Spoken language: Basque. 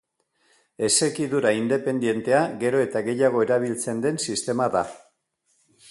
Esekidura independentea gero eta gehiago erabiltzen den sistema da.